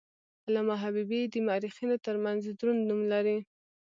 علامه حبیبي د مورخینو ترمنځ دروند نوم لري.